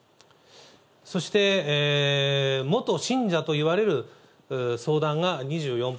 そして、元信者といわれる相談が２４％。